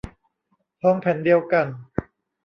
ทองแผ่นเดียวกัน